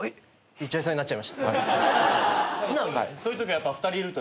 そういうときはやっぱ。